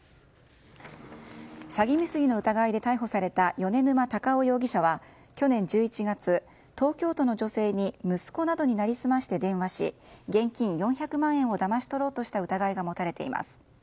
詐欺未遂の疑いで逮捕された米沼剛生容疑者は去年１１月、東京都の女性に息子などに成り済まして電話し現金４００万円をだまし取ろうとした疑いが持たれています。